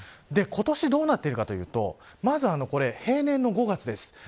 今年どうなっているかというとまずは、平年の５月です。